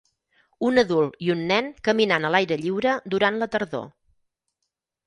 Un adult i un nen caminant a l'aire lliure durant la tardor.